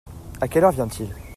A quelle heure vient-il ?